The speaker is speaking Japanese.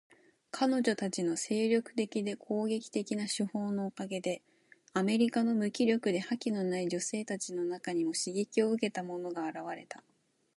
彼女たちの精力的で攻撃的な手法のおかげで、アメリカの無気力で覇気のない女性たちの中にも刺激を受けた者が現れた。